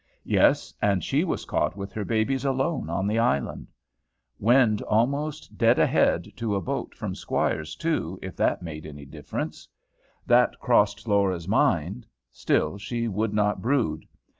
Yes, and she was caught with her babies alone on the island. Wind almost dead ahead to a boat from Squire's too, if that made any difference. That crossed Laura's mind. Still she would not brood.